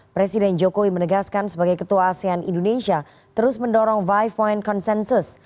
presiden jokowi menegaskan sebagai ketua asean indonesia terus mendorong lima point consensus